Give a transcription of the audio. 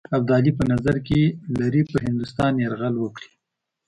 ابدالي په نظر کې لري پر هندوستان یرغل وکړي.